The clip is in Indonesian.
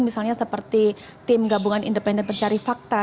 misalnya seperti tim gabungan independen pencari fakta